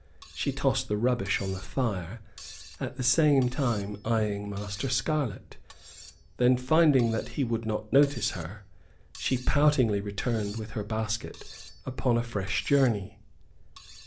She tossed the rubbish on the fire, at the same time eyeing Master Scarlett. Then, finding that he would not notice her, she poutingly returned with her basket upon a fresh journey.